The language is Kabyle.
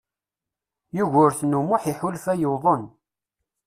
Yugurten U Muḥ iḥulfa yuḍen.